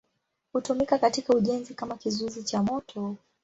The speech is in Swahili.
Hutumika katika ujenzi kama kizuizi cha moto.